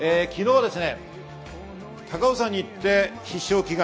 昨日は高尾山に行って必勝祈願。